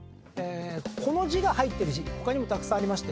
この字が入ってる字他にもたくさんありまして。